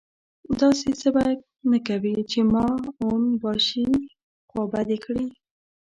داسې څه به نه کوې چې ما او اون باشي خوابدي کړي.